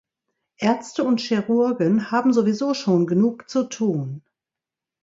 Ärzte und Chirurgen haben sowieso schon genug zu tun.